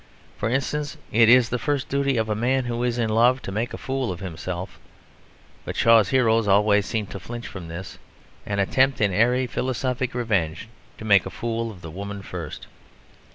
For instance, it is the first duty of a man who is in love to make a fool of himself; but Shaw's heroes always seem to flinch from this, and attempt, in airy, philosophic revenge, to make a fool of the woman first.